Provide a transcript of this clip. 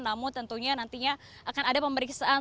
namun tentunya nantinya akan ada pemeriksaan